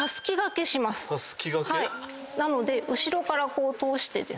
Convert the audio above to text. なので後ろからこう通して。